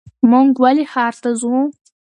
مونږ ولې ښار ته ځو؟